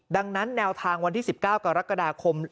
ดังนั้นแนวทางวันที่๑๙กรกฎาคม